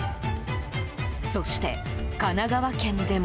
そして、神奈川県でも。